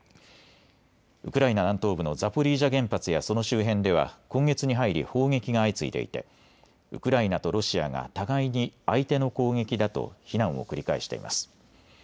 ウクライナ南東部のザポリージャ原発やその周辺では今月に入り砲撃が相次いでいてウクライナとロシアが互いに相手の攻撃だと非難を繰り返しています。